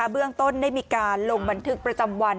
เบื้องต้นได้มีการลงบันทึกประจำวัน